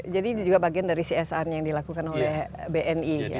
jadi ini juga bagian dari csr yang dilakukan oleh bni